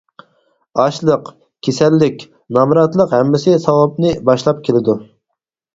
ئاچلىق، كېسەللىك، نامراتلىق ھەممىسى ساۋابنى باشلاپ كېلىدۇ.